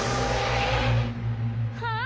はあ？